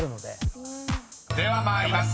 ［では参ります。